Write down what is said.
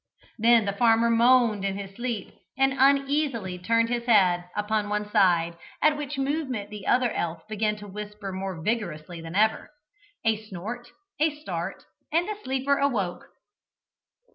Then the farmer moaned in his sleep, and uneasily turned his head upon one side, at which movement the other elf began to whisper more vigorously than ever. A snort, a start, and the sleeper awoke.